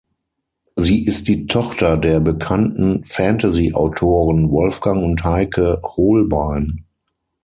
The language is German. Sie ist die Tochter der bekannten Fantasyautoren Wolfgang und Heike Hohlbein.